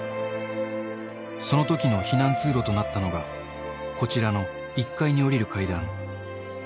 そのときの避難通路となったのが、こちらの１階に下りる階段。